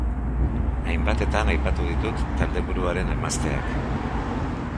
Hainbatetan aipatu ditut taldeburuaren emazteak.